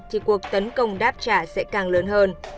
thì cuộc tấn công đáp trả sẽ càng lớn hơn